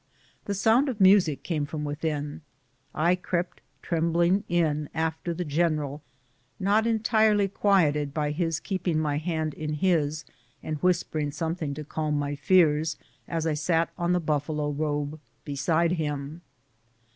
The sound of music came from within ; I crept tremblingly in after the general, not entirely quieted by his keeping my hand in his, and whispering something to calm my fears as I sat on the buffalo robe beside him.